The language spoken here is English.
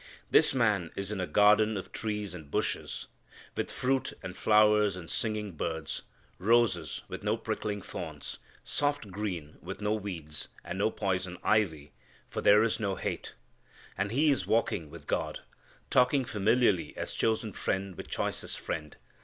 This man is in a garden of trees and bushes, with fruit and flowers and singing birds, roses with no pricking thorns, soft green with no weeds, and no poison ivy, for there is no hate. And he is walking with God, talking familiarly as chosen friend with choicest friend.